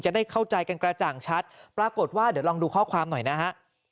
ได้เข้าใจกันกระจ่างชัดปรากฏว่าเดี๋ยวลองดูข้อความหน่อยนะฮะ